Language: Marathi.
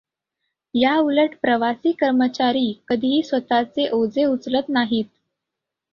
याउलट ‘प्रवासी’ कर्मचारी कधीही स्वतःचे ओझे उचलत नाहीत.